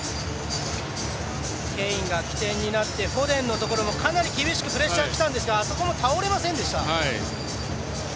ケインが起点になってフォデンのところもかなり厳しくプレッシャーきたんですがあそこも倒れませんでした。